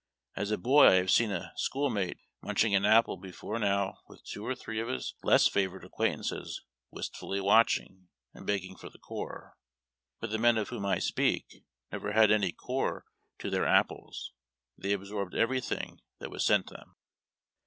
As a boy I have seen a school mate munch ing an apple before now with two or three of his less favored acquaintances wistfully watching and begging for the core. But the men of whom I speak never had any core to their apples; they absorbed everything that was sent them.